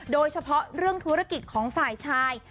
โดยเฉพาะเรื่องธุรกิจของฝ่ายชาย